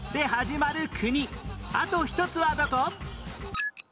あと一つはどこ？